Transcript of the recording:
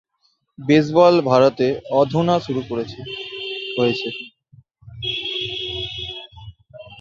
Baseball ভারতে অধুনা শুরু হয়েছে।